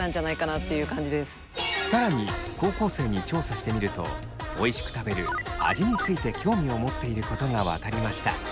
更に高校生に調査してみるとおいしく食べる味について興味を持っていることが分かりました。